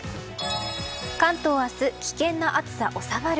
関東は明日危険な暑さ、収まる。